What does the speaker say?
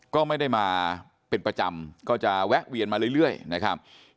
ก็ไม่ได้มาเป็นประจำก็จะแวะเวียนมาเรื่อยนะครับ